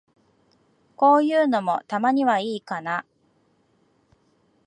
こういうのも、たまにはいいかな。